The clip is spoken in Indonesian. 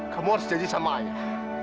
kamu harus janji sama ayah